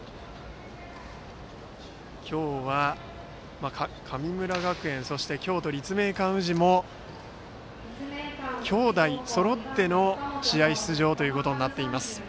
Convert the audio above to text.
今日は、神村学園京都・立命館宇治も兄弟そろっての試合出場となっています。